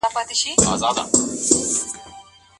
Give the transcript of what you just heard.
د حقوقو مراعاتول څه اغيزه لري؟